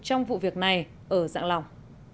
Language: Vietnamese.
trong vụ việc này ở dạng lòng